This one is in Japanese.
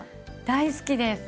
大好きです。